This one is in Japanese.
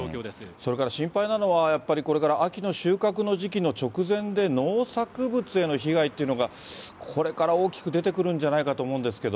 それから心配なのは、やっぱりこれから秋の収穫の時期の直前で、農作物への被害っていうのが、これから大きく出てくるんじゃないかと思うんですけど。